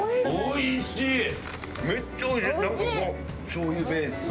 おいしい！